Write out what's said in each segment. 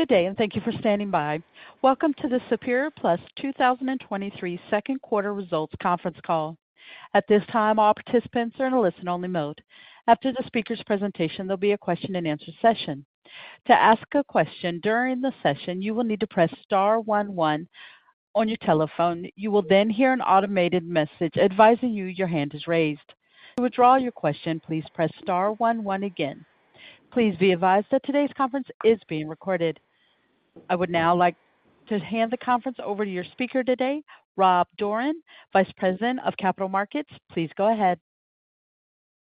Good day. Thank you for standing by. Welcome to the Superior Plus 2023 Second Quarter Results Conference Call. At this time, all participants are in a listen-only mode. After the speaker's presentation, there'll be a question-and-answer session. To ask a question during the session, you will need to press star one one on your telephone. You will then hear an automated message advising you your hand is raised. To withdraw your question, please press star one one again. Please be advised that today's conference is being recorded. I would now like to hand the conference over to your speaker today, Rob Dorran, Vice President of Capital Markets. Please go ahead.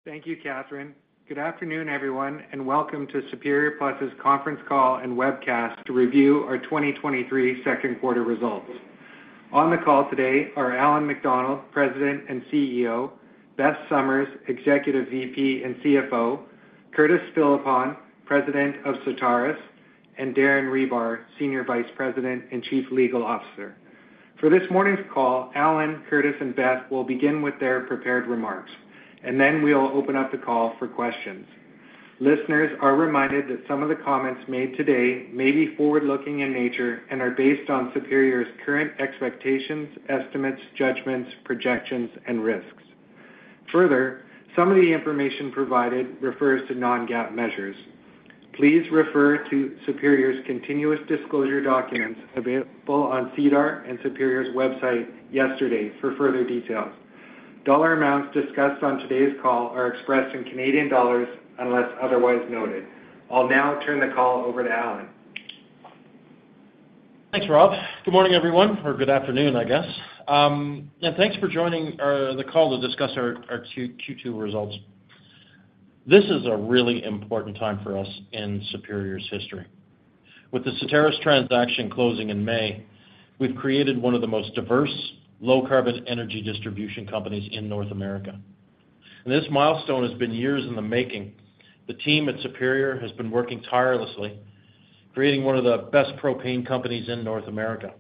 Thank you, Catherine. Good afternoon, everyone, welcome to Superior Plus's conference call and webcast to review our 2023 second quarter results. On the call today are Allan MacDonald, President and CEO; Beth Summers, Executive VP and CFO; Curtis Philippon, President of Certarus; and Darren Hribar, Senior Vice President and Chief Legal Officer. For this morning's call, Allan, Curtis, and Beth will begin with their prepared remarks, and then we'll open up the call for questions. Listeners are reminded that some of the comments made today may be forward-looking in nature and are based on Superior's current expectations, estimates, judgments, projections, and risks. Further, some of the information provided refers to non-GAAP measures. Please refer to Superior's continuous disclosure documents available on SEDAR and Superior's website yesterday for further details. Dollar amounts discussed on today's call are expressed in Canadian dollars unless otherwise noted. I'll now turn the call over to Allan. Thanks, Rob. Good morning, everyone, or good afternoon, I guess. Thanks for joining the call to discuss our Q2 results. This is a really important time for us in Superior's history. With the Certarus transaction closing in May, we've created one of the most diverse, low-carbon energy distribution companies in North America. This milestone has been years in the making. The team at Superior has been working tirelessly, creating one of the best propane companies in North America.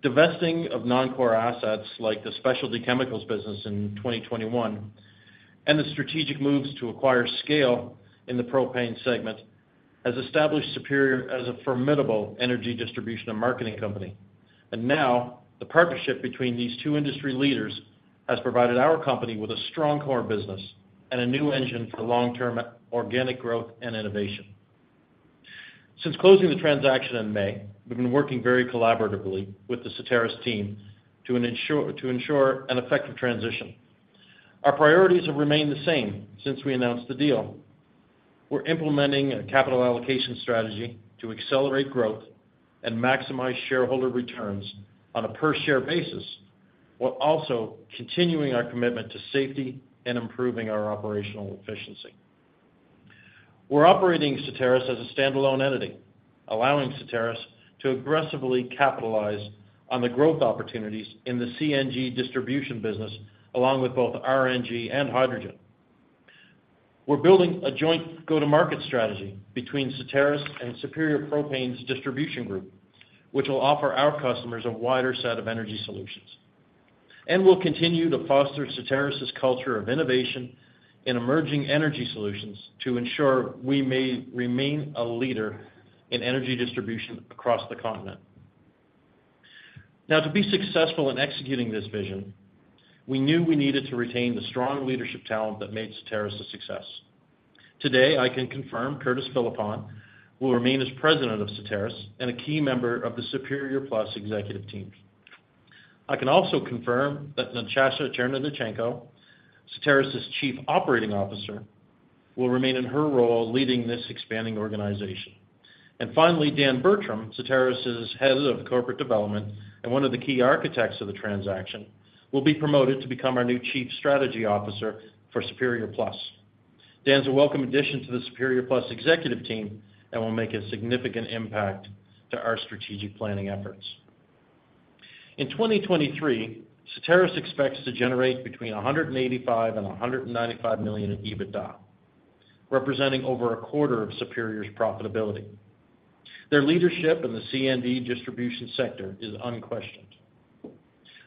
Divesting of non-core assets like the specialty chemicals business in 2021 and the strategic moves to acquire scale in the propane segment, has established Superior as a formidable energy distribution and marketing company. Now, the partnership between these two industry leaders has provided our company with a strong core business and a new engine for long-term organic growth and innovation. Since closing the transaction in May, we've been working very collaboratively with the Certarus team to ensure an effective transition. Our priorities have remained the same since we announced the deal. We're implementing a capital allocation strategy to accelerate growth and maximize shareholder returns on a per-share basis, while also continuing our commitment to safety and improving our operational efficiency. We're operating Certarus as a standalone entity, allowing Certarus to aggressively capitalize on the growth opportunities in the CNG distribution business, along with both RNG and hydrogen. We're building a joint go-to-market strategy between Certarus and Superior Propane's distribution group, which will offer our customers a wider set of energy solutions. We'll continue to foster Certarus' culture of innovation in emerging energy solutions to ensure we may remain a leader in energy distribution across the continent. Now, to be successful in executing this vision, we knew we needed to retain the strong leadership talent that made Certarus a success. Today, I can confirm Curtis Philippon will remain as President of Certarus and a key member of the Superior Plus executive team. I can also confirm that Natasha Cherednichenko, Certarus' Chief Operating Officer, will remain in her role leading this expanding organization. Finally, Dan Bertram, Certarus' Head of Corporate Development and one of the key architects of the transaction, will be promoted to become our new Chief Strategy Officer for Superior Plus. Dan's a welcome addition to the Superior Plus executive team and will make a significant impact to our strategic planning efforts. In 2023, Certarus expects to generate between 185 million and 195 million in EBITDA, representing over a quarter of Superior's profitability. Their leadership in the CNG distribution sector is unquestioned.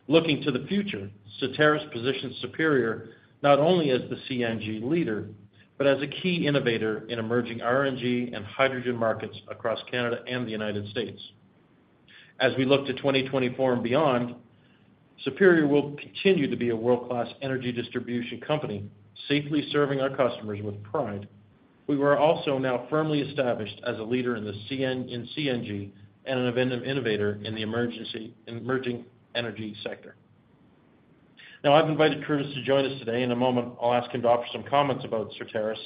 Looking to the future, Certarus positions Superior not only as the CNG leader, but as a key innovator in emerging RNG and hydrogen markets across Canada and the United States. As we look to 2024 and beyond, Superior will continue to be a world-class energy distribution company, safely serving our customers with pride. We are also now firmly established as a leader in CNG and an innovative innovator in the emerging energy sector. Now, I've invited Curtis to join us today. In a moment, I'll ask him to offer some comments about Certarus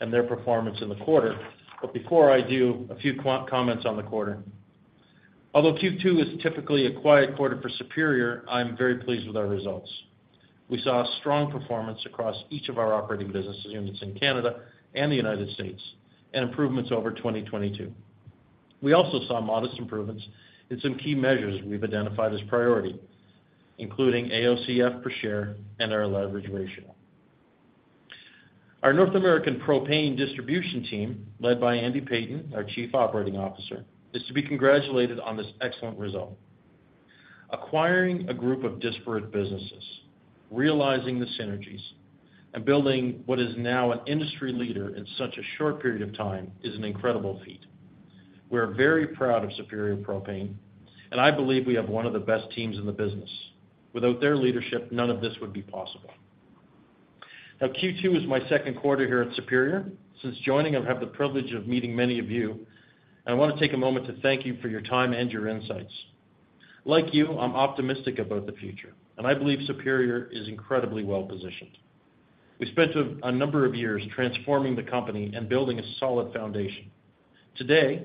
and their performance in the quarter. Before I do, a few comments on the quarter. Although Q2 is typically a quiet quarter for Superior, I'm very pleased with our results. We saw a strong performance across each of our operating business units in Canada and the United States, and improvements over 2022. We also saw modest improvements in some key measures we've identified as priority, including AOCF per share and our leverage ratio. Our North American propane distribution team, led by Andy Peyton, our Chief Operating Officer, is to be congratulated on this excellent result. Acquiring a group of disparate businesses, realizing the synergies, and building what is now an industry leader in such a short period of time, is an incredible feat. We're very proud of Superior Propane, and I believe we have one of the best teams in the business. Without their leadership, none of this would be possible. Q2 is my 2nd quarter here at Superior Plus. Since joining, I've had the privilege of meeting many of you, and I want to take a moment to thank you for your time and your insights. Like you, I'm optimistic about the future, and I believe Superior is incredibly well-positioned. We spent a number of years transforming the company and building a solid foundation. Today,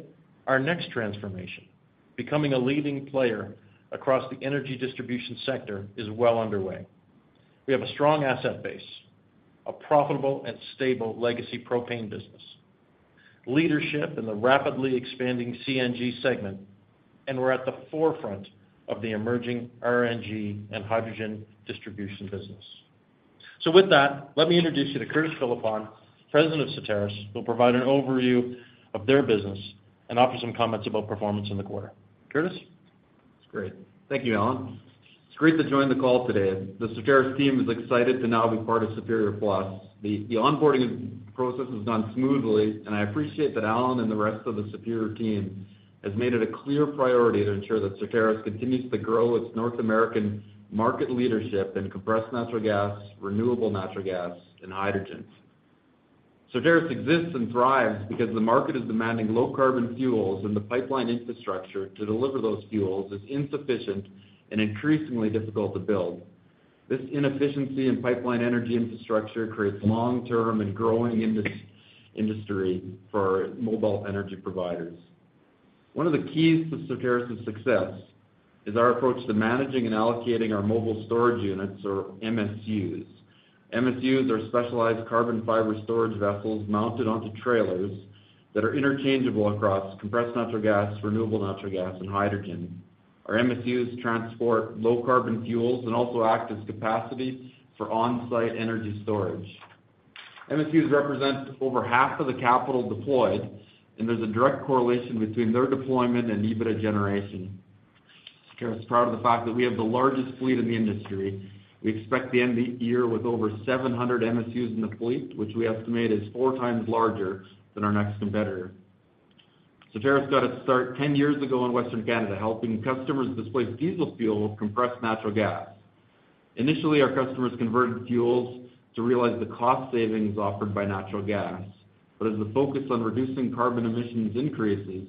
our next transformation, becoming a leading player across the energy distribution sector, is well underway. We have a strong asset base, a profitable and stable legacy propane business, leadership in the rapidly expanding CNG segment, and we're at the forefront of the emerging RNG and hydrogen distribution business. With that, let me introduce you to Curtis Philippon, President of Certarus, who'll provide an overview of their business and offer some comments about performance in the quarter. Curtis? That's great. Thank you, Alan. It's great to join the call today. The Certarus team is excited to now be part of Superior Plus. The onboarding process has gone smoothly, and I appreciate that Alan and the rest of the Superior team has made it a clear priority to ensure that Certarus continues to grow its North American market leadership in compressed natural gas, renewable natural gas, and hydrogen. Certarus exists and thrives because the market is demanding low carbon fuels, and the pipeline infrastructure to deliver those fuels is insufficient and increasingly difficult to build. This inefficiency in pipeline energy infrastructure creates long-term and growing industry for mobile energy providers. One of the keys to Certarus' success is our approach to managing and allocating our mobile storage units, or MSUs. MSUs are specialized carbon fiber storage vessels mounted onto trailers that are interchangeable across compressed natural gas, renewable natural gas, and hydrogen. Our MSUs transport low carbon fuels and also act as capacity for on-site energy storage. MSUs represent over half of the capital deployed, there's a direct correlation between their deployment and EBITDA generation. Certarus is proud of the fact that we have the largest fleet in the industry. We expect to end the year with over 700 MSUs in the fleet, which we estimate is 4x larger than our next competitor. Certarus got its start 10 years ago in Western Canada, helping customers displace diesel fuel with compressed natural gas. Initially, our customers converted fuels to realize the cost savings offered by natural gas. As the focus on reducing carbon emissions increases,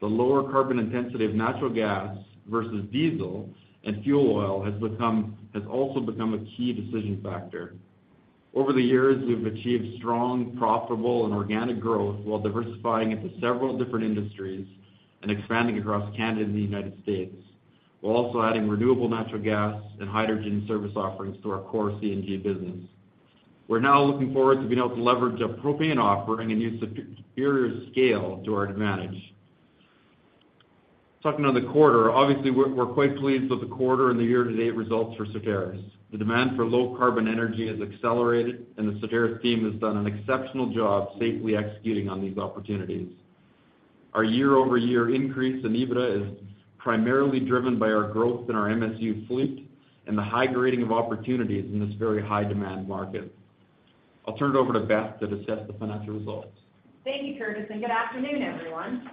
the lower carbon intensity of natural gas versus diesel and fuel oil has also become a key decision factor. Over the years, we've achieved strong, profitable, and organic growth, while diversifying into several different industries and expanding across Canada and the United States. We're also adding renewable natural gas and hydrogen service offerings to our core CNG business. We're now looking forward to being able to leverage a propane offering and use Superior's scale to our advantage. Talking on the quarter, obviously, we're quite pleased with the quarter and the year-to-date results for Certarus. The demand for low carbon energy has accelerated, and the Certarus team has done an exceptional job safely executing on these opportunities. Our year-over-year increase in EBITDA is primarily driven by our growth in our MSU fleet and the high-grading of opportunities in this very high-demand market. I'll turn it over to Beth to discuss the financial results. Thank you, Curtis. Good afternoon, everyone.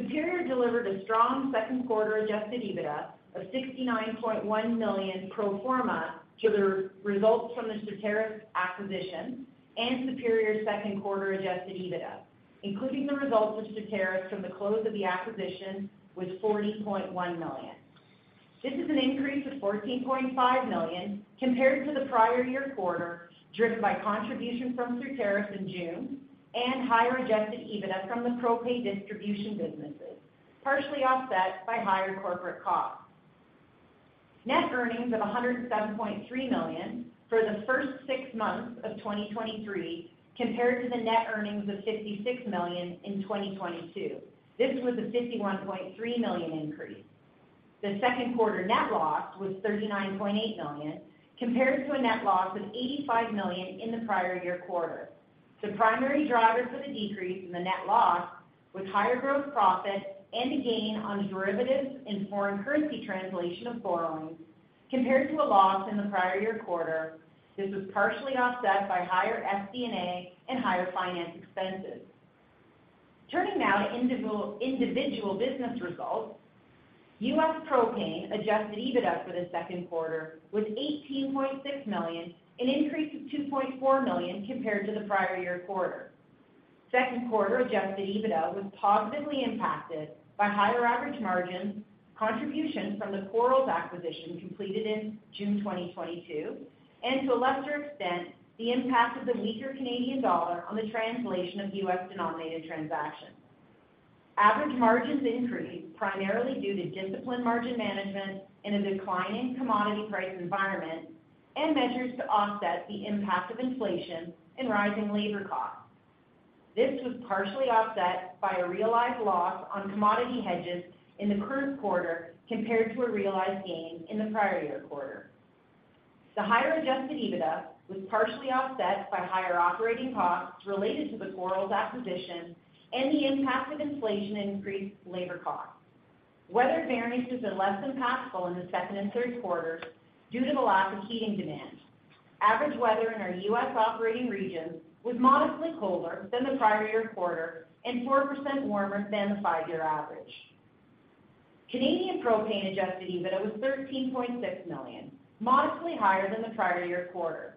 Superior delivered a strong second quarter Adjusted EBITDA of 69.1 million pro forma to the results from the Certarus acquisition. Superior's second quarter Adjusted EBITDA, including the results of Certarus from the close of the acquisition, was 40.1 million. This is an increase of 14.5 million compared to the prior year quarter, driven by contribution from Certarus in June and higher Adjusted EBITDA from the propane distribution businesses, partially offset by higher corporate costs. Net earnings of 107.3 million for the first six months of 2023, compared to the net earnings of 66 million in 2022. This was a 51.3 million increase. The second quarter net loss was 39.8 million, compared to a net loss of 85 million in the prior year quarter. The primary driver for the decrease in the net loss was higher growth profit and a gain on derivatives in foreign currency translation of borrowings, compared to a loss in the prior year quarter. This was partially offset by higher SD&A and higher finance expenses. Turning now to individual business results. U.S. propane Adjusted EBITDA for the second quarter was 18.6 million, an increase of 2.4 million compared to the prior year quarter. Second quarter Adjusted EBITDA was positively impacted by higher average margins, contribution from the Quarles acquisition completed in June 2022, and to a lesser extent, the impact of the weaker Canadian dollar on the translation of U.S.-denominated transactions. Average margins increased primarily due to disciplined margin management in a declining commodity price environment, and measures to offset the impact of inflation and rising labor costs. This was partially offset by a realized loss on commodity hedges in the current quarter, compared to a realized gain in the prior year quarter. The higher Adjusted EBITDA was partially offset by higher operating costs related to the Quarles acquisition and the impact of inflation and increased labor costs. Weather variances are less impactful in the second and third quarters due to the lack of heating demand. Average weather in our U.S. operating regions was modestly colder than the prior year quarter and 4% warmer than the five-year average. Canadian propane Adjusted EBITDA was 13.6 million, modestly higher than the prior year quarter.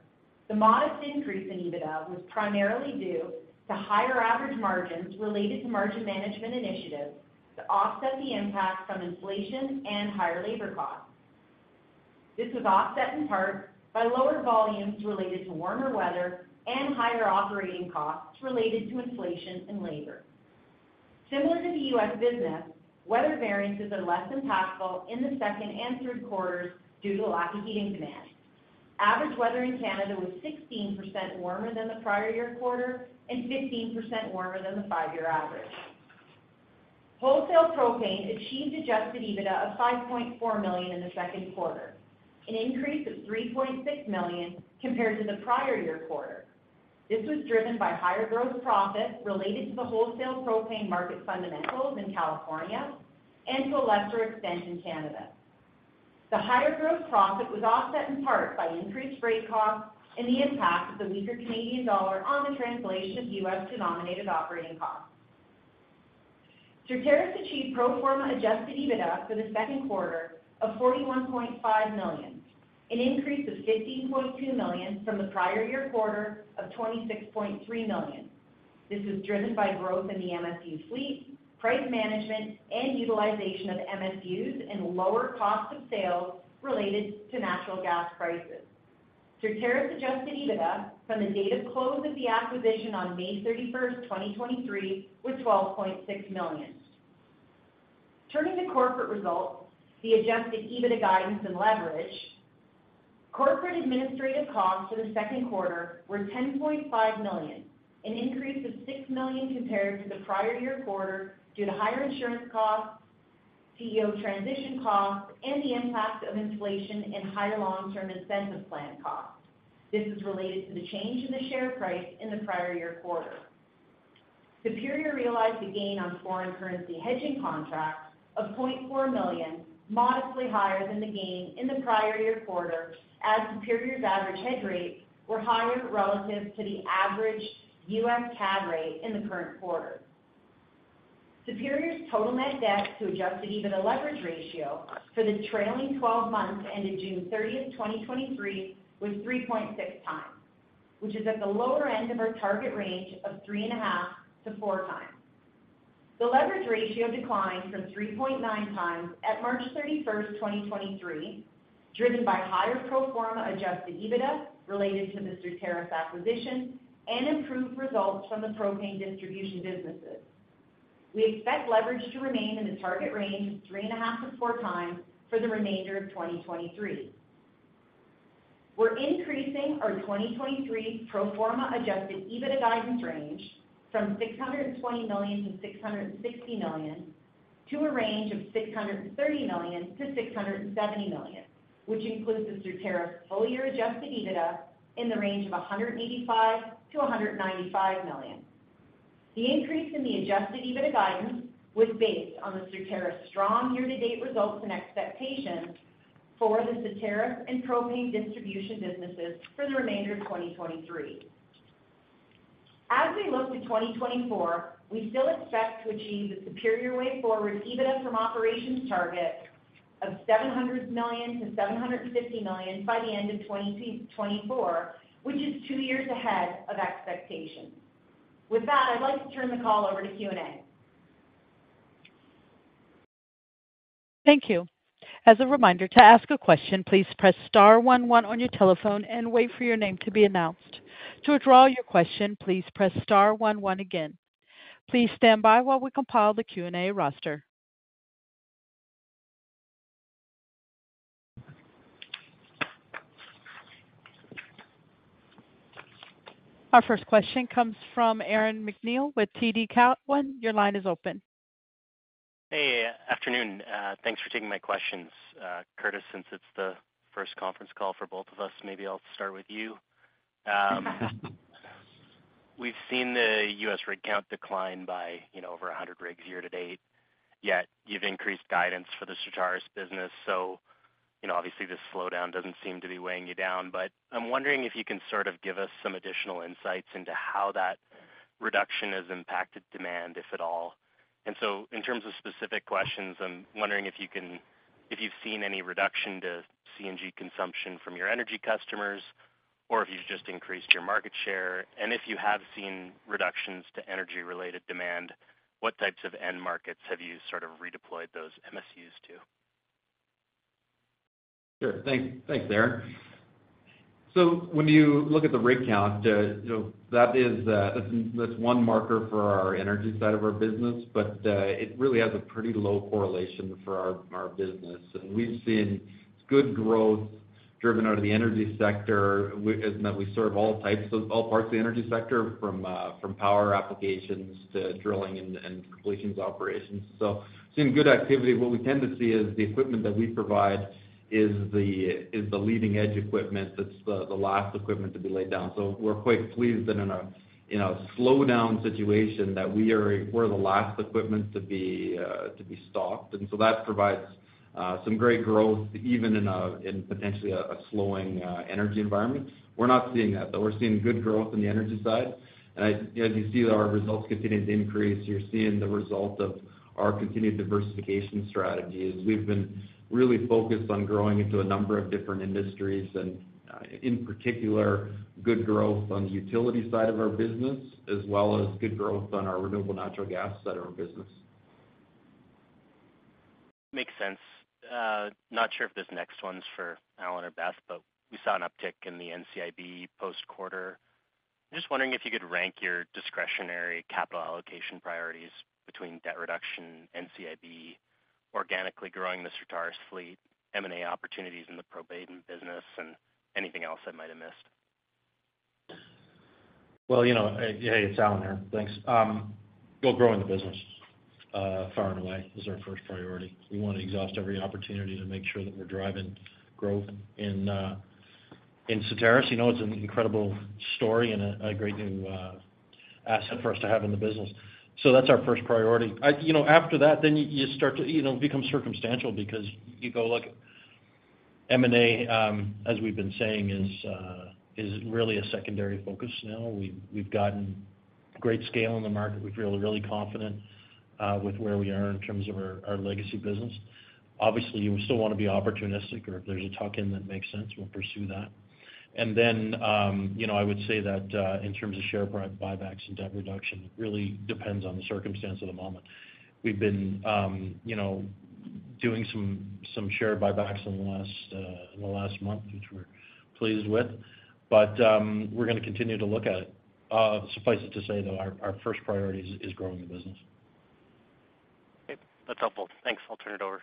The modest increase in EBITDA was primarily due to higher average margins related to margin management initiatives to offset the impact from inflation and higher labor costs. This was offset in part by lower volumes related to warmer weather and higher operating costs related to inflation and labor. Similar to the U.S. business, weather variances are less impactful in the second and third quarters due to lack of heating demand. Average weather in Canada was 16% warmer than the prior year quarter and 15% warmer than the five-year average. Wholesale propane achieved Adjusted EBITDA of 5.4 million in the second quarter, an increase of 3.6 million compared to the prior year quarter. This was driven by higher gross profit related to the wholesale propane market fundamentals in California and to a lesser extent, in Canada. The higher gross profit was offset in part by increased freight costs and the impact of the weaker Canadian dollar on the translation of U.S.-denominated operating costs. Certarus' achieved pro forma Adjusted EBITDA for the second quarter of 41.5 million, an increase of 15.2 million from the prior year quarter of 26.3 million. This was driven by growth in the MSU fleet, price management, and utilization of MSUs, and lower cost of sales related to natural gas prices. Certarus' Adjusted EBITDA from the date of close of the acquisition on May 31st, 2023, was 12.6 million. Turning to corporate results, the Adjusted EBITDA guidance and leverage. Corporate administrative costs for the second quarter were 10.5 million, an increase of 6 million compared to the prior year quarter due to higher insurance costs, CEO transition costs, and the impact of inflation and higher long-term incentive plan costs. This is related to the change in the share price in the prior year quarter. Superior realized a gain on foreign currency hedging contracts of 0.4 million, modestly higher than the gain in the prior year quarter, as Superior's average hedge rates were higher relative to the average U.S. CAD rate in the current quarter. Superior's total net debt to Adjusted EBITDA leverage ratio for the trailing 12 months ended June 30th, 2023, was 3.6x, which is at the lower end of our target range of 3.5x-4x. The leverage ratio declined from 3.9x at March 31st, 2023, driven by higher pro forma Adjusted EBITDA related to the Certarus acquisition and improved results from the propane distribution businesses. We expect leverage to remain in the target range of 3.5x-4x for the remainder of 2023. We're increasing our 2023 pro forma Adjusted EBITDA guidance range from 620 million-660 million, to a range of 630 million-670 million, which includes the Certarus' full year Adjusted EBITDA in the range of 185 million-195 million. The increase in the Adjusted EBITDA guidance was based on the Certarus' strong year-to-date results and expectations for the Certarus and propane distribution businesses for the remainder of 2023. As we look to 2024, we still expect to achieve the Superior Way Forward EBITDA from operations target of 700 million-750 million by the end of 2024, which is two years ahead of expectation. With that, I'd like to turn the call over to Q&A. Thank you. As a reminder, to ask a question, please press star one one on your telephone and wait for your name to be announced. To withdraw your question, please press star one one again. Please stand by while we compile the Q&A roster. Our first question comes from Aaron MacNeil with TD Cowen. Your line is open. Hey, afternoon. Thanks for taking my questions. Curtis, since it's the first conference call for both of us, maybe I'll start with you. We've seen the U.S. rig count decline by, you know, over 100 rigs year-to-date, yet you've increased guidance for the Certarus business. You know, obviously, this slowdown doesn't seem to be weighing you down. I'm wondering if you can sort of give us some additional insights into how that reduction has impacted demand, if at all. In terms of specific questions, I'm wondering if you can, if you've seen any reduction to CNG consumption from your energy customers, or if you've just increased your market share. If you have seen reductions to energy-related demand, what types of end markets have you sort of redeployed those MSUs to? Sure. Thank, thanks, Aaron. When you look at the rig count, you know, that is, that's, that's 1 marker for our energy side of our business, but it really has a pretty low correlation for our, our business. We've seen good growth... driven out of the energy sector, we, as in that we serve all types of, all parts of the energy sector, from power applications to drilling and, and completions operations. Seeing good activity. What we tend to see is the equipment that we provide is the, is the leading edge equipment. That's the, the last equipment to be laid down. We're quite pleased that in a, in a slowdown situation, that we are, we're the last equipment to be stopped. That provides some great growth, even in potentially a slowing energy environment. We're not seeing that, but we're seeing good growth in the energy side. I, as you see our results continue to increase, you're seeing the result of our continued diversification strategy, as we've been really focused on growing into a number of different industries, and, in particular, good growth on the utility side of our business, as well as good growth on our renewable natural gas side of our business. Makes sense. Not sure if this next one's for Allan or Beth, but we saw an uptick in the NCIB post quarter. Just wondering if you could rank your discretionary capital allocation priorities between debt reduction, NCIB, organically growing the Certarus fleet, M&A opportunities in the Propane business, and anything else I might have missed? Well, you know, hey, it's Allan here. Thanks. We're growing the business, far and away, is our first priority. We want to exhaust every opportunity to make sure that we're driving growth in Certarus. You know, it's an incredible story and a great new asset for us to have in the business. That's our first priority. You know, after that, then you, you start to, you know, become circumstantial because you go look, M&A, as we've been saying, is really a secondary focus now. We've gotten great scale in the market. We feel really confident with where we are in terms of our legacy business. Obviously, we still want to be opportunistic, or if there's a tuck-in that makes sense, we'll pursue that. Then, you know, I would say that, in terms of share buy, buybacks and debt reduction, it really depends on the circumstance of the moment. We've been, you know, doing some, some share buybacks in the last, in the last month, which we're pleased with. We're gonna continue to look at it. Suffice it to say, though, our, our first priority is, is growing the business. Okay, that's helpful. Thanks. I'll turn it over.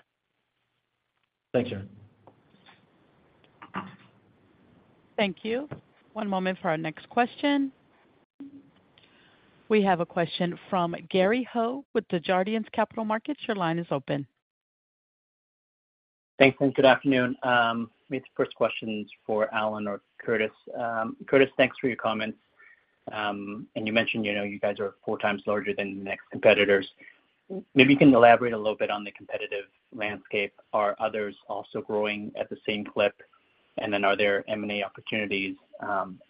Thanks, Aaron. Thank you. One moment for our next question. We have a question from Gary Ho with the Desjardins Capital Markets. Your line is open. Thanks, and good afternoon. The first question is for Allan or Curtis. Curtis, thanks for your comments. You mentioned, you know, you guys are 4x larger than the next competitors. Maybe you can elaborate a little bit on the competitive landscape. Are others also growing at the same clip? Are there M&A opportunities,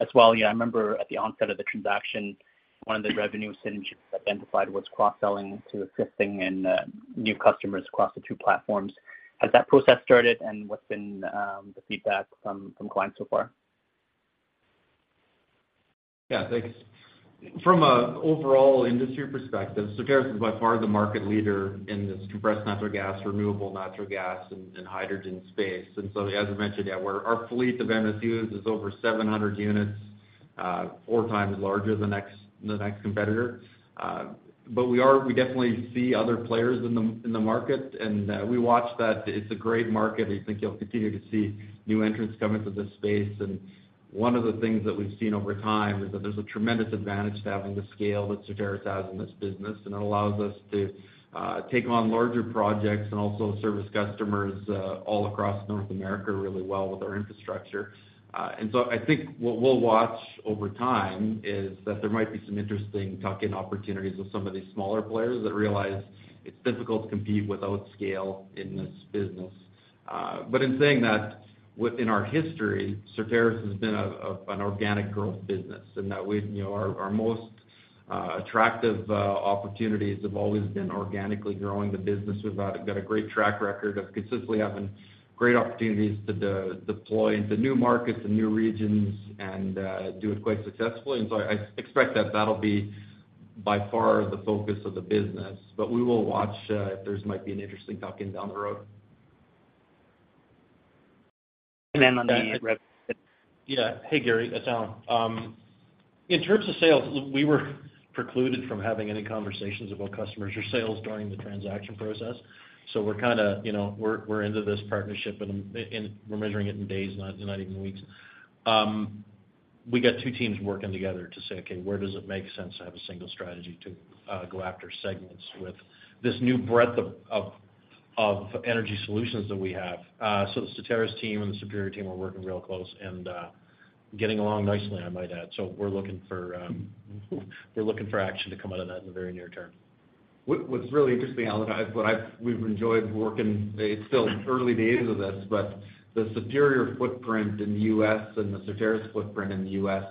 as well? Yeah, I remember at the onset of the transaction, one of the revenue synergies identified was cross-selling to existing and new customers across the two platforms. Has that process started? What's been the feedback from, from clients so far? Yeah, thanks. From an overall industry perspective, Certarus is by far the market leader in this compressed natural gas, renewable natural gas, and hydrogen space. As I mentioned, yeah, our fleet of MSUs is over 700 units, 4x larger than the next, the next competitor. But we are, we definitely see other players in the market, and we watch that. It's a great market. I think you'll continue to see new entrants come into this space. One of the things that we've seen over time is that there's a tremendous advantage to having the scale that Certarus has in this business. It allows us to take on larger projects and also service customers all across North America really well with our infrastructure. So I think what we'll watch over time is that there might be some interesting tuck-in opportunities with some of these smaller players that realize it's difficult to compete without scale in this business. In saying that, within our history, Certarus has been an organic growth business, and that we've, you know, our, our most attractive opportunities have always been organically growing the business. We've got a great track record of consistently having great opportunities to deploy into new markets and new regions and do it quite successfully. So I, I expect that that'll be by far the focus of the business. We will watch if there's might be an interesting tuck-in down the road. Then on the. Yeah. Hey, Gary, it's Allan. In terms of sales, we were precluded from having any conversations about customers or sales during the transaction process. We're kind of, you know, we're, we're into this partnership, and, and, and we're measuring it in days, not, not even weeks. We got two teams working together to say, okay, where does it make sense to have a single strategy to go after segments with this new breadth of, of, of energy solutions that we have? The Certarus team and the Superior team are working real close and getting along nicely, I might add. We're looking for, we're looking for action to come out of that in the very near term. What, what's really interesting, Allan, I, what I've-- we've enjoyed working... It's still early days of this, but the Superior footprint in the U.S. and the Certarus footprint in the U.S.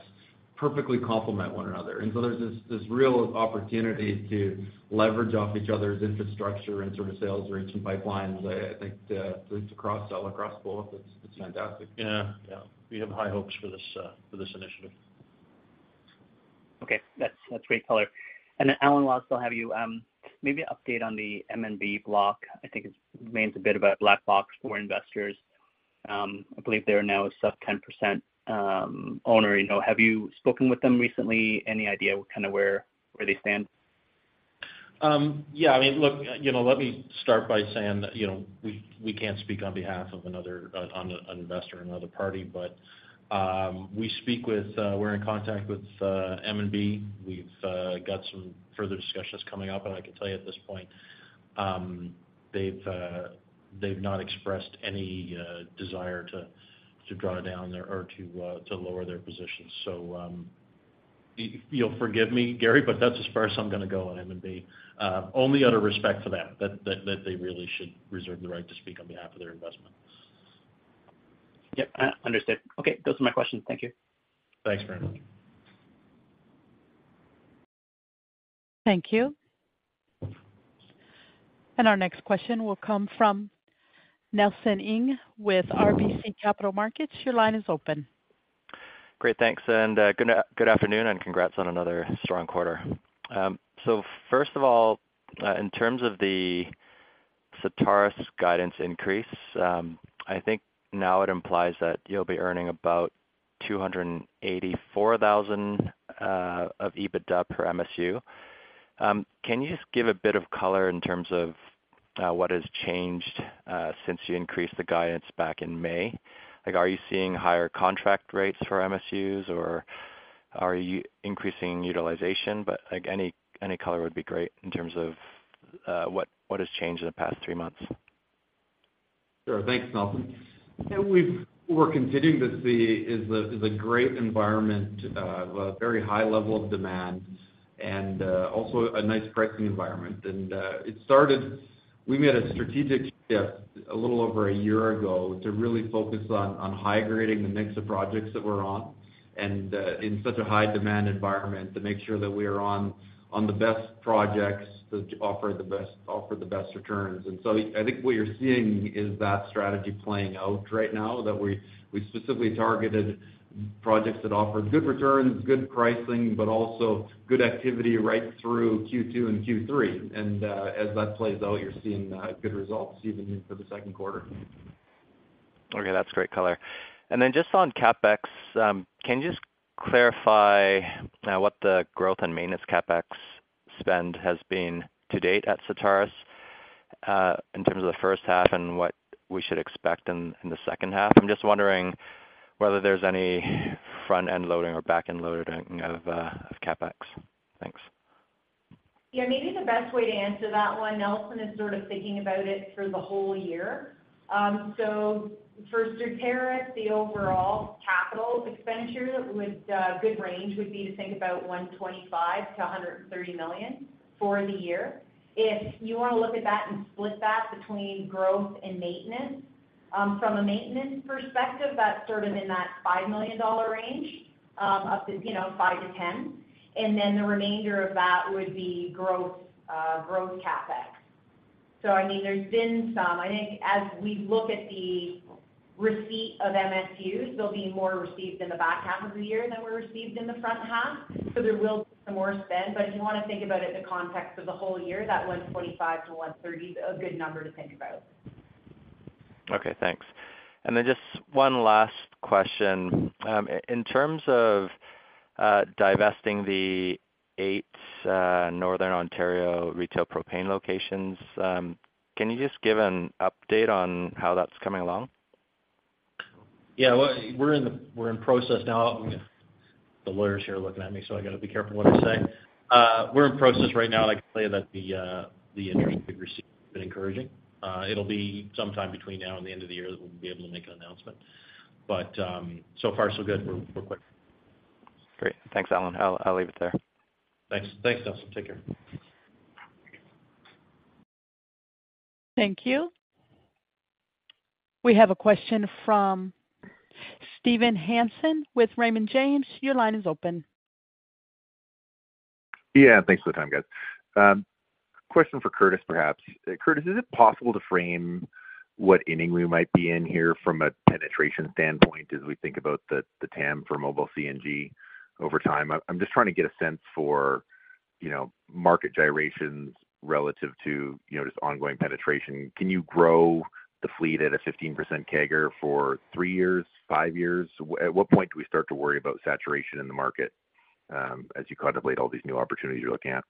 perfectly complement one another. There's this, this real opportunity to leverage off each other's infrastructure and sort of sales range and pipelines. I, I think, it's a cross-sell across both. It's, it's fantastic. Yeah, yeah, we have high hopes for this, for this initiative. Okay. That's, that's great color. Allan, while I still have you, maybe an update on the M&B block. I think it remains a bit of a black box for investors. I believe they are now a sub 10%, owner. You know, have you spoken with them recently? Any idea kind of where, where they stand?... Yeah, I mean, look, you know, let me start by saying that, you know, we, we can't speak on behalf of another, on, an investor or another party. We speak with, we're in contact with M&B. We've got some further discussions coming up, and I can tell you at this point, they've, they've not expressed any desire to, to draw down their or to, to lower their positions. You'll forgive me, Gary, but that's as far as I'm gonna go on M&B. Only out of respect for them, that, that, that they really should reserve the right to speak on behalf of their investments. Yep, I understand. Okay, those are my questions. Thank you. Thanks very much. Thank you. Our next question will come from Nelson Ng with RBC Capital Markets. Your line is open. Great, thanks, and good afternoon, and congrats on another strong quarter. First of all, in terms of the Certarus' guidance increase, I think now it implies that you'll be earning about 284,000 of EBITDA per MSU. Can you just give a bit of color in terms of, what has changed, since you increased the guidance back in May? Like, are you seeing higher contract rates for MSUs, or are you increasing utilization? Like, any, any color would be great in terms of, what has changed in the past three months. Sure. Thanks, Nelson. Yeah, we're continuing to see is a great environment, a very high level of demand and also a nice pricing environment. It started... We made a strategic shift a little over a year ago to really focus on high-grading the mix of projects that we're on, and in such a high-demand environment, to make sure that we are on the best projects that offer the best returns. So I think what you're seeing is that strategy playing out right now, that we specifically targeted projects that offer good returns, good pricing, but also good activity right through Q2 and Q3. As that plays out, you're seeing good results even in for the second quarter. Okay, that's great color. Then just on CapEx, can you just clarify, what the growth and maintenance CapEx spend has been to date at Certarus', in terms of the first half and what we should expect in the second half? I'm just wondering whether there's any front-end loading or back-end loading of CapEx. Thanks. Yeah, maybe the best way to answer that one, Nelson, is sort of thinking about it through the whole year. For Certarus, the overall capital expenditure with good range would be to think about 125 million-130 million for the year. If you want to look at that and split that between growth and maintenance, from a maintenance perspective, that's sort of in that 5 million dollar range, up to, you know, 5 million-10 million. The remainder of that would be growth growth CapEx. I mean, there's been some. I think as we look at the receipt of MSUs, there'll be more received in the back half of the year than were received in the front half, so there will be some more spend. If you wanna think about it in the context of the whole year, that 125-130 is a good number to think about. Okay, thanks. Then just one last question. In terms of divesting the eight Northern Ontario retail propane locations, can you just give an update on how that's coming along? Yeah, well, we're in process now. The lawyers here are looking at me, so I gotta be careful what I say. We're in process right now. I can tell you that the interest we've received has been encouraging. It'll be sometime between now and the end of the year that we'll be able to make an announcement, but so far, so good. We're, we're quick. Great. Thanks, Allan. I'll, I'll leave it there. Thanks. Thanks, Nelson. Take care. Thank you. We have a question from Steven Hansen with Raymond James. Your line is open. Yeah, thanks for the time, guys. Question for Curtis, perhaps. Curtis, is it possible to frame what inning we might be in here from a penetration standpoint, as we think about the TAM for mobile CNG over time? I, I'm just trying to get a sense for, you know, market gyrations relative to, you know, just ongoing penetration. Can you grow the fleet at a 15% CAGR for three years, five years? At what point do we start to worry about saturation in the market, as you contemplate all these new opportunities you're looking at?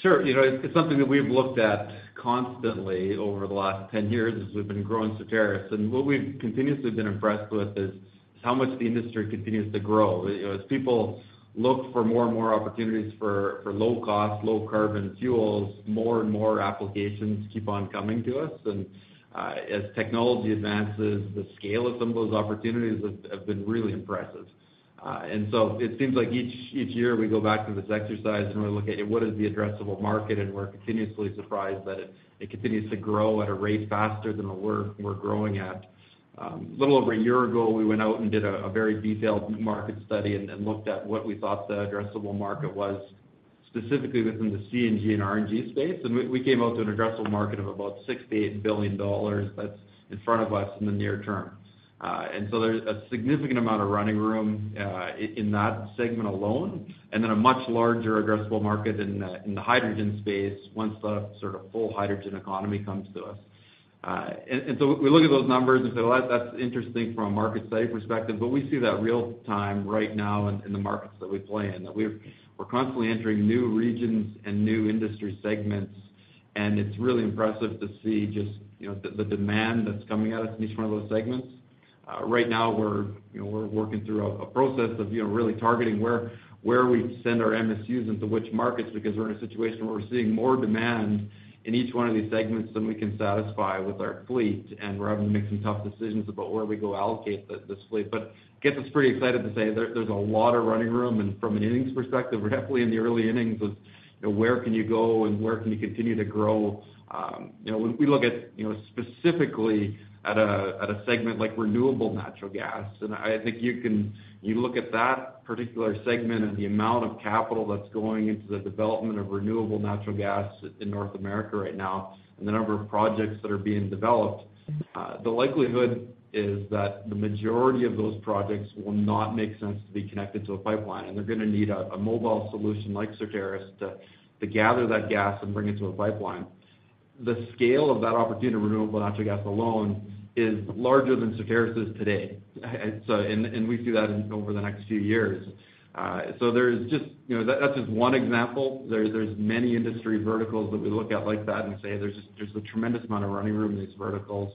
Sure. You know, it, it's something that we've looked at constantly over the last 10 years as we've been growing Certarus. What we've continuously been impressed with is, is how much the industry continues to grow. You know, as people look for more and more opportunities for, for low cost, low carbon fuels, more and more applications keep on coming to us. As technology advances, the scale of some of those opportunities have, have been really impressive. So it seems like each, each year we go back to this exercise and we look at, at what is the addressable market, and we're continuously surprised that it, it continues to grow at a rate faster than the we're, we're growing at. A little over a year ago, we went out and did a very detailed market study and looked at what we thought the addressable market was, specifically within the CNG and RNG space. We came out with an addressable market of about 68 billion dollars that's in front of us in the near term. So there's a significant amount of running room in that segment alone, and then a much larger addressable market in the hydrogen space, once the sort of full hydrogen economy comes to us. So we look at those numbers and say, "Well, that's, that's interesting from a market study perspective," but we see that real time right now in the markets that we play in, that we're constantly entering new regions and new industry segments. It's really impressive to see just, you know, the, the demand that's coming at us in each one of those segments. Right now, we're, you know, we're working through a, a process of, you know, really targeting where, where we send our MSUs into which markets, because we're in a situation where we're seeing more demand in each one of these segments than we can satisfy with our fleet, and we're having to make some tough decisions about where we go allocate the, this fleet. Gets us pretty excited to say there, there's a lot of running room, and from an innings perspective, we're definitely in the early innings of, you know, where can you go and where can you continue to grow. You know, when we look at, you know, specifically at a, at a segment like renewable natural gas, and I think you can-- you look at that particular segment and the amount of capital that's going into the development of renewable natural gas in North America right now, and the number of projects that are being developed, the likelihood is that the majority of those projects will not make sense to be connected to a pipeline, and they're gonna need a, a mobile solution like Certarus to, to gather that gas and bring it to a pipeline. The scale of that opportunity in renewable natural gas alone is larger than Certarus is today. And, and we see that in, over the next few years. There's just, you know, that-that's just one example. There, there's many industry verticals that we look at like that and say, there's, there's a tremendous amount of running room in these verticals.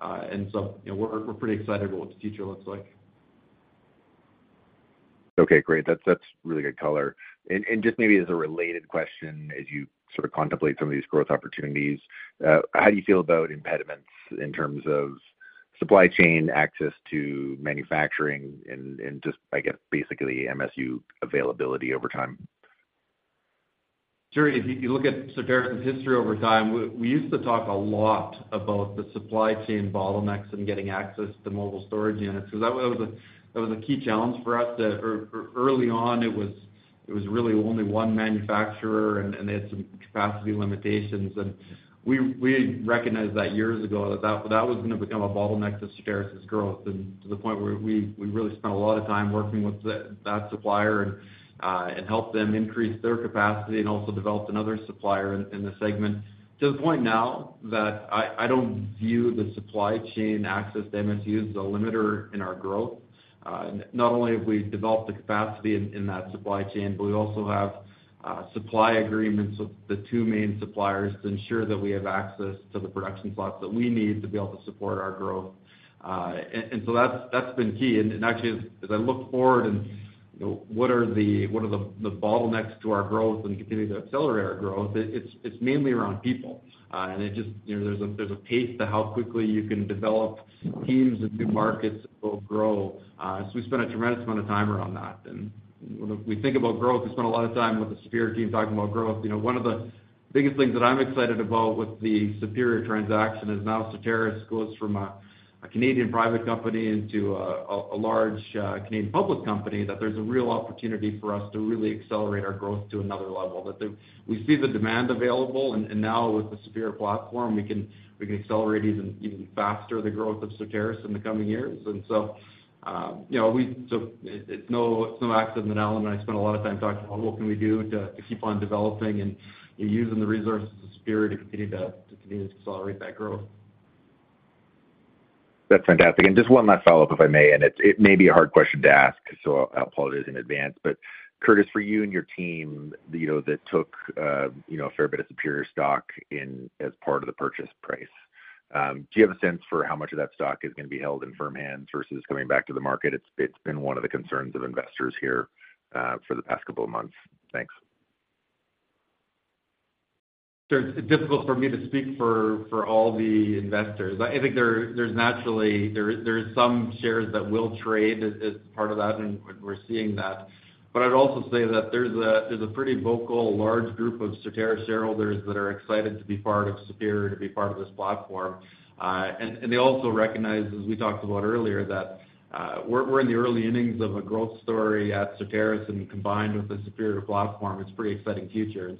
So, you know, we're, we're pretty excited about what the future looks like. Okay, great. That's, that's really good color. And just maybe as a related question, as you sort of contemplate some of these growth opportunities, how do you feel about impediments in terms of supply chain access to manufacturing and, and just, I guess, basically MSU availability over time? Sure. If you, you look at Certarus' history over time, we, we used to talk a lot about the supply chain bottlenecks and getting access to mobile storage units, because that was a, that was a key challenge for us, that early on, it was, it was really only one manufacturer, and, and they had some capacity limitations. We, we recognized that years ago, that, that was going to become a bottleneck to Certarus' growth, and to the point where we, we really spent a lot of time working with that supplier and helped them increase their capacity and also developed another supplier in, in the segment. To the point now that I, I don't view the supply chain access to MSU as a limiter in our growth. Not only have we developed the capacity in, in that supply chain, but we also have supply agreements with the two main suppliers to ensure that we have access to the production slots that we need to be able to support our growth. That's, that's been key. As I look forward and, you know, what are the, what are the, the bottlenecks to our growth and continuing to accelerate our growth, it, it's mainly around people. You know, there's a, there's a pace to how quickly you can develop teams into markets that will grow. We spend a tremendous amount of time around that. When we think about growth, we spend a lot of time with the Superior team talking about growth. You know, one of the biggest things that I'm excited about with the Superior transaction is now Certarus goes from a Canadian private company into a large Canadian public company, that there's a real opportunity for us to really accelerate our growth to another level. We see the demand available, and now with the Superior platform, we can accelerate even faster the growth of Certarus in the coming years. You know, it's no accident that Allan and I spend a lot of time talking about what can we do to keep on developing and using the resources of Superior to continue to accelerate that growth. That's fantastic. Just one last follow-up, if I may, and it, it may be a hard question to ask, so I apologize in advance. Curtis, for you and your team, you know, that took, you know, a fair bit of Superior stock in as part of the purchase price, do you have a sense for how much of that stock is gonna be held in firm hands versus coming back to the market? It's, it's been one of the concerns of investors here, for the past couple of months. Thanks. It's difficult for me to speak for, for all the investors. I, I think there, there's naturally, there is, there's some shares that will trade as, as part of that, and we're, we're seeing that. I'd also say that there's a, there's a pretty vocal, large group of Certarus shareholders that are excited to be part of Superior, to be part of this platform. And they also recognize, as we talked about earlier, that, we're, we're in the early innings of a growth story at Certarus, and combined with the Superior platform, it's a pretty exciting future.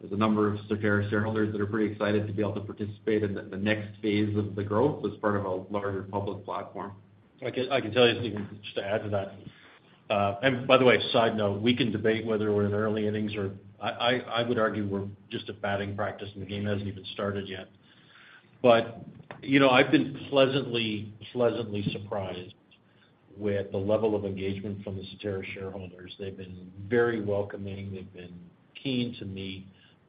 There's a number of Certarus shareholders that are pretty excited to be able to participate in the, the next phase of the growth as part of a larger public platform. I can, I can tell you, just even just to add to that, By the way, side note, we can debate whether we're in early innings or. I, I, I would argue we're just a batting practice, and the game hasn't even started yet. You know, I've been pleasantly, pleasantly surprised with the level of engagement from the Certarus shareholders. They've been very welcoming. They've been keen to meet,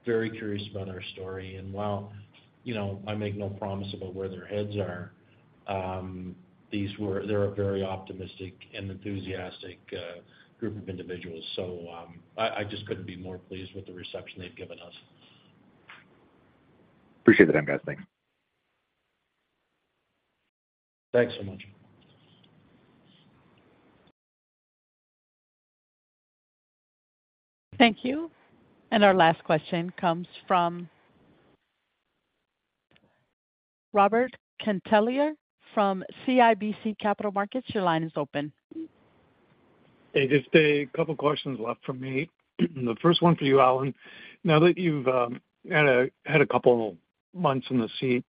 very curious about our story. While, you know, I make no promise about where their heads are. These were they're a very optimistic and enthusiastic group of individuals. I, I just couldn't be more pleased with the reception they've given us. Appreciate the time, guys. Thanks. Thanks so much. Thank you. Our last question comes from Robert Catellier from CIBC Capital Markets. Your line is open. Hey, just a couple questions left from me. The first one for you, Allan. Now that you've had a couple months in the seat,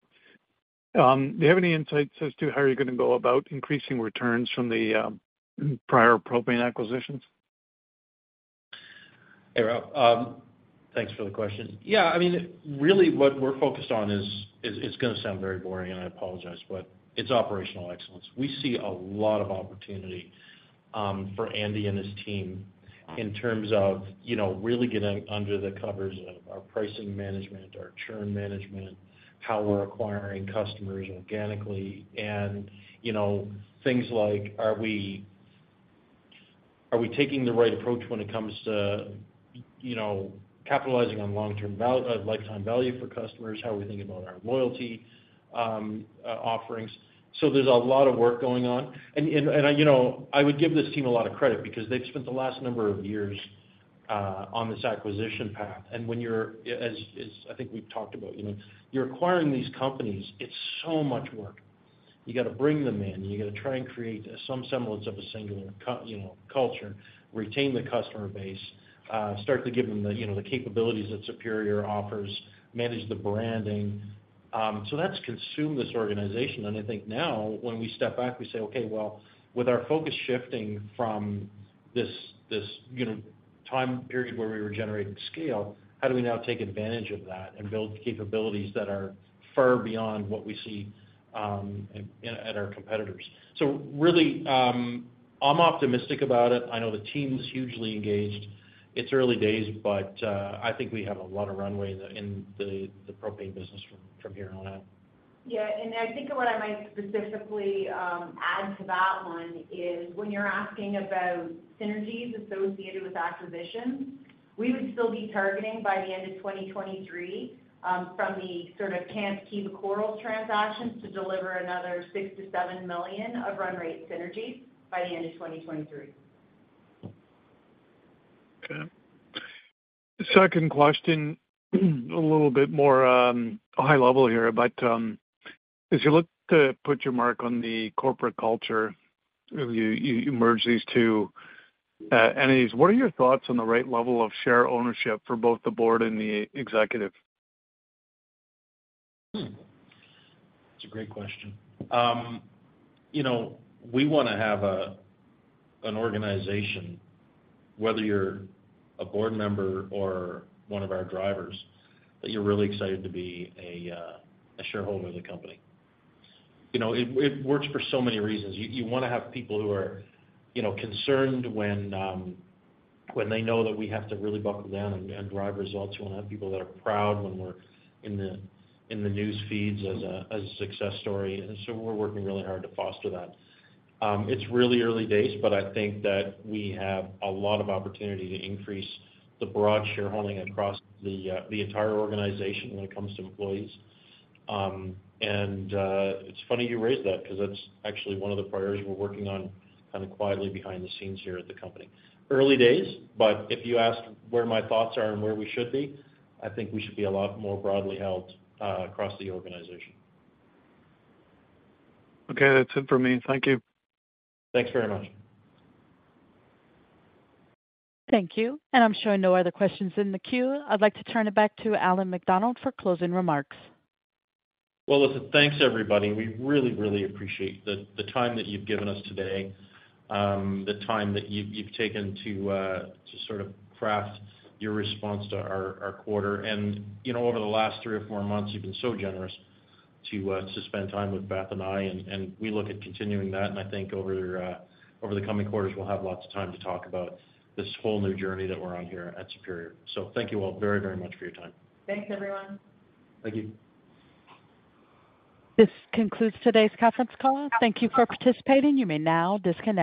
do you have any insights as to how you're gonna go about increasing returns from the prior propane acquisitions? Hey, Rob. Thanks for the question. Yeah, I mean, really what we're focused on is, it's gonna sound very boring, and I apologize, but it's operational excellence. We see a lot of opportunity for Andy and his team in terms of, you know, really getting under the covers of our pricing management, our churn management, how we're acquiring customers organically, and, you know, things like, are we, are we taking the right approach when it comes to, you know, capitalizing on long-term val- lifetime value for customers? How are we thinking about our loyalty, offerings? There's a lot of work going on. You know, I would give this team a lot of credit because they've spent the last number of years on this acquisition path. When you're, as, as I think we've talked about, you know, you're acquiring these companies, it's so much work. You gotta bring them in, you gotta try and create some semblance of a singular co- you know, culture, retain the customer base, start to give them the, you know, the capabilities that Superior offers, manage the branding. That's consumed this organization, and I think now, when we step back, we say, "Okay, well, with our focus shifting from this, this, you know, time period where we were generating scale, how do we now take advantage of that and build capabilities that are far beyond what we see, at, at our competitors?" Really, I'm optimistic about it. I know the team's hugely engaged. It's early days, but I think we have a lot of runway in the, the propane business from, from here on out. Yeah, I think what I might specifically add to that one is, when you're asking about synergies associated with acquisitions, we would still be targeting by the end of 2023, from the sort of Kamps, Kiva, Quarles transactions, to deliver another 6 million-7 million of run rate synergies by the end of 2023. Okay. Second question, a little bit more, high level here, but, as you look to put your mark on the corporate culture, you, you, you merge these two, entities, what are your thoughts on the right level of share ownership for both the board and the executive? Hmm. That's a great question. You know, we wanna have an organization, whether you're a board member or one of our drivers, that you're really excited to be a shareholder of the company. You know, it, it works for so many reasons. You, you wanna have people who are, you know, concerned when, when they know that we have to really buckle down and, and drive results. You wanna have people that are proud when we're in the, in the news feeds as a, as a success story, so we're working really hard to foster that. It's really early days, but I think that we have a lot of opportunity to increase the broad shareholding across the entire organization when it comes to employees. It's funny you raised that, 'cause that's actually one of the priorities we're working on kind of quietly behind the scenes here at the company. Early days, but if you ask where my thoughts are and where we should be, I think we should be a lot more broadly held, across the organization. Okay, that's it for me. Thank you. Thanks very much. Thank you. I'm showing no other questions in the queue. I'd like to turn it back to Allan MacDonald for closing remarks. Well, listen, thanks, everybody. We really, really appreciate the, the time that you've given us today, the time that you've, you've taken to to sort of craft your response to our, our quarter. You know, over the last three or four months, you've been so generous to to spend time with Beth and I, and, and we look at continuing that, and I think over over the coming quarters, we'll have lots of time to talk about this whole new journey that we're on here at Superior. Thank you all very, very much for your time. Thanks, everyone. Thank you. This concludes today's conference call. Thank you for participating. You may now disconnect.